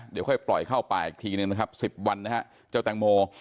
ก็ค่อยปล่อยเข้าไปอีกทีหนึ่งนะครับสิบวันนะฮะเจ้าแตงโม